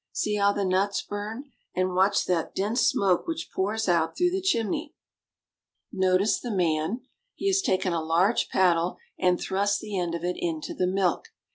See how the nuts burn, and watch that dense smoke which pours out through the chimney. Notice the man. He has taken a long paddle and thrust the end of it into the milk.